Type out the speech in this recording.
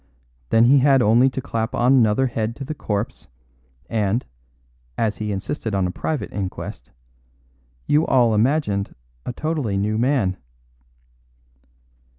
Then he had only to clap on another head to the corpse, and (as he insisted on a private inquest) you all imagined a totally new man."